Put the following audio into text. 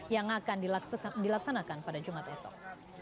yang akan dilaksanakan pada jumat esok